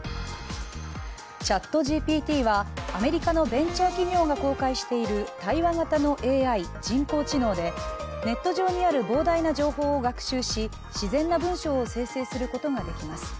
ＣｈａｔＧＰＴはアメリカのベンチャー企業が公開している対話型のＡＩ＝人工知能でネット上にある膨大な情報を学習し自然な文章を生成することができます。